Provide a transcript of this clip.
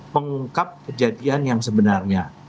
mengungkap kejadian yang sebenarnya